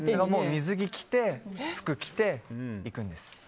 水着着て、服着て行くんです。